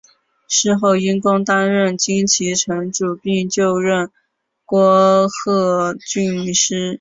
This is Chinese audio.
事后因公担任金崎城主并就任敦贺郡司。